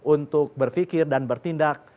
untuk berpikir dan bertindak